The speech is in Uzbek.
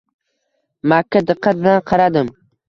Makka diqqat bilan qaradim